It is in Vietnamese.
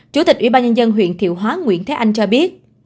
chủ tịch ủy ban nhân dân huyện thiệu hóa nguyễn thế anh cho biết